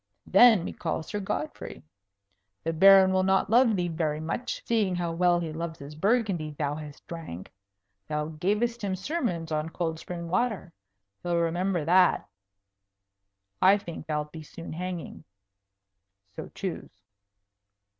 "Then we call Sir Godfrey. The Baron will not love thee very much, seeing how well he loves his Burgundy thou hast drank. Thou gavest him sermons on cold spring water. He'll remember that. I think thou'lt be soon hanging. So choose."